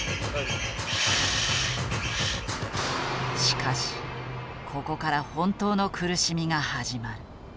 しかしここから本当の苦しみが始まる。